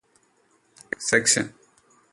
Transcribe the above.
സെക്ഷന്